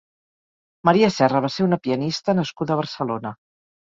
Maria Serra va ser una pianista nascuda a Barcelona.